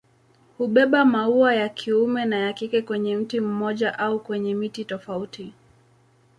Hubeba maua ya kiume na ya kike kwenye mti mmoja au kwenye miti tofauti.